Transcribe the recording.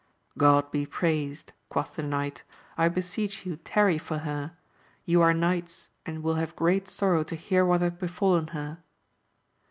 God be praised ! quoth the knight. I beseech you tarry for her ; you are knights and will have great sorrow to hear what hath befallen her.